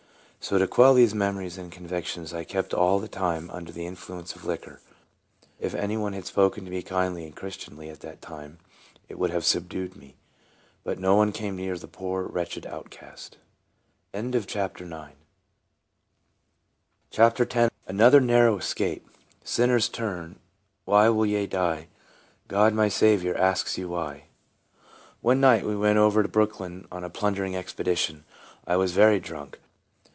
So to quell these memories and convictions, I kept all the time under the influence of liquor. If any one had spoken to me kindly and Chris tianly at that time, it would have subdued me, but no one came near the poor, wretched outcast. 44 TRANSFORMED. CHAPTER X. ANOTHER NARROW ESCAPE. " Sinners, turn, why will ye die ? God, my Saviour, asks you, Why ?" ONE night we went over to Brooklyn on a plundering expedition. I was very drunk.